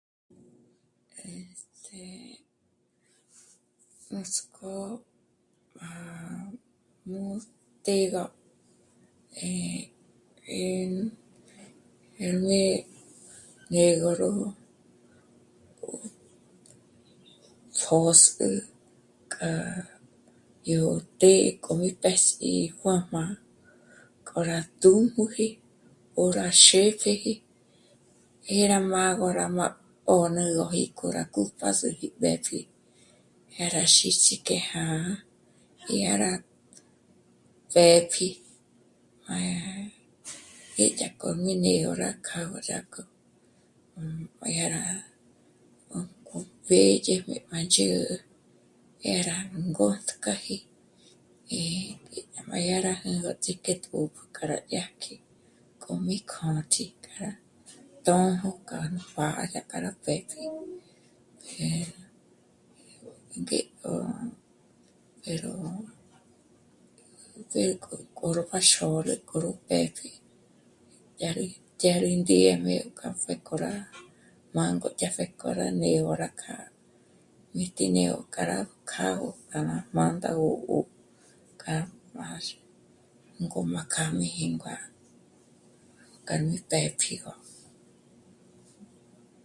Nuts'k'ó rá... jmú'u té'e gá m'á'a... eh... rá ngé'e ngó ró tjō̌s'ü k'a yó të'ë k'o mí pés'i juā̌jmā k'o rá tüjmüji ó rá xë̌dyeji e rá m'á'a ngó 'ö́nü gó ngí k'o rá kújp'azü gí mèpji dyà rá xîts'ijke já'a... dyà rá pjěpji í dyàjkjo mí né'e ró kjá yó kü dyà rá k'umpédye m'a ndzhü'ü e rá ngôtk'aji m'a dyà rá ts'íjketo gú k'ârá dyàtjk'i kjo mí kjôn'ütji kja rá k'o yó ts'íjkagö tô'jo k'a nú pjá'a dyàjka rú mbèpji... ngét'o pero... k'o ró páxôrü k'o ró pëpji dyà rí ndéjm'e k'o pjéko rá m'ângo dyà gó ngá ngéka rá kja mí tí né'egö kja... kjo gá mândagö ngó m'a kja mí jíngua kja nú të̌pjigö